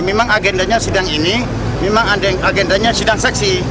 memang agendanya sidang ini memang agendanya sidang saksi